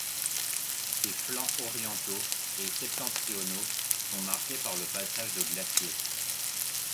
Ses flancs orientaux et septentrionaux sont marqués par le passage de glaciers.